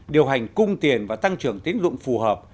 điều hành cung tiền và tăng trưởng tiến dụng phù hợp